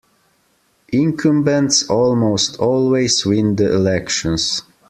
Incumbents almost always win the elections.